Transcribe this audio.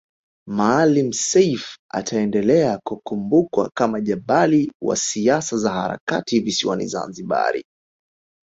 Maalim Self ataendelea kukumbukwa kama jabali wa siasa za harakati visiwani Zanzibari